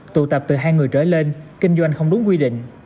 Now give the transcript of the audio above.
tụ tập từ hai người trở lên kinh doanh không đúng quy định